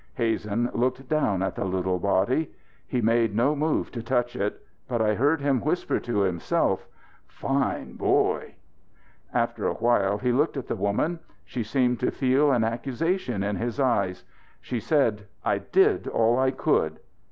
Hazen looked down at the little body. He made no move to touch it, but I heard him whisper to himself: "Fine boy." After a while he looked at the woman. She seemed to feel an accusation in his eyes. She said: "I did all I could."